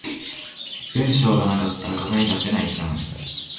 文章が無かったら課題出せないじゃん